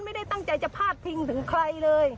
ไม่ได้ตั้งใจจะพาดพิงถึงใครเลย